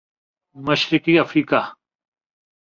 مشرقی افریقہ